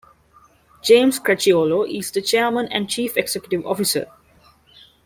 James Cracchiolo is the chairman and chief executive officer.